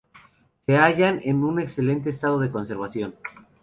Se hallan en un excelente estado de conservación.